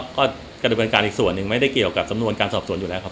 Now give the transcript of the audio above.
ก็กระบวนการอีกส่วนหนึ่งไม่ได้เกี่ยวกับสำนวนการสอบสวนอยู่แล้วครับ